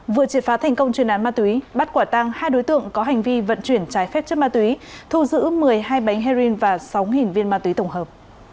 vừa triệt phá thành công chuyên án ma túy bắt quả tăng hai đối tượng có hành vi vận chuyển trái phép chất ma túy thu giữ một mươi hai bánh heroin và sáu viên ma túy tổng hợp